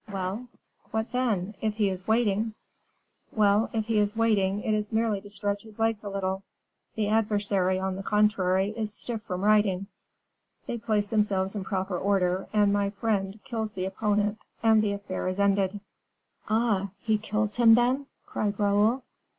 "Well! what then? If he is waiting " "Well! if he is waiting, it is merely to stretch his legs a little. The adversary, on the contrary, is stiff from riding; they place themselves in proper order, and my friend kills the opponent, and the affair is ended." "Ah! he kills him, then?" cried Raoul.